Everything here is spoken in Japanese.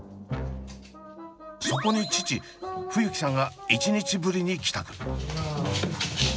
そこに父二誘輝さんが１日ぶりに帰宅。